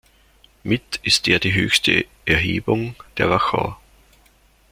Mit ist er die höchste Erhebung der Wachau.